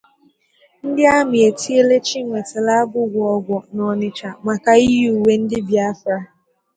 Ndị Amị̀ Etiela Chiwetalụ Agụ Gwòògwòò n'Onitsha maka Iyì Uwe Ndị Biafra